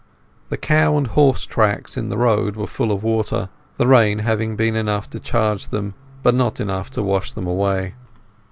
The cow and horse tracks in the road were full of water, the rain having been enough to charge them, but not enough to wash them away.